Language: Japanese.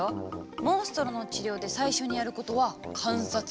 モンストロの治療で最初にやることは観察。